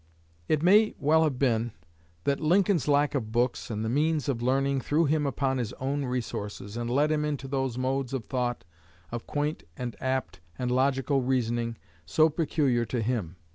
It may well have been that Lincoln's lack of books and the means of learning threw him upon his own resources and led him into those modes of thought, of quaint and apt and logical reasoning, so peculiar to him.